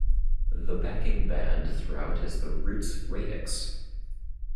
The backing band throughout is the Roots Radics.